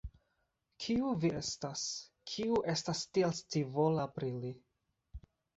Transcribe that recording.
Kiu vi estas, kiu estas tiel scivola pri li?